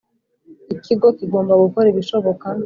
ikigo kigomba gukora ibishoboka.